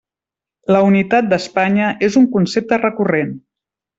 La unitat d'Espanya és un concepte recurrent.